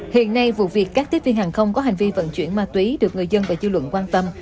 hiện nay vụ việc các tiếp viên hàng không có hành vi vận chuyển ma túy được người dân và dư luận quan tâm